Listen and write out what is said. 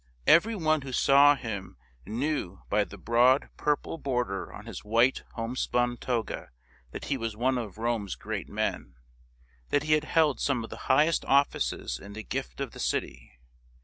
Every one who saw him knew by the broad purple border on his white homespun toga that he was one of Rome's great men — that he had held some of the highest offices in the gift of the city.